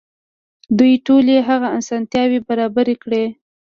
دوی ټولې هغه اسانتياوې برابرې کړې.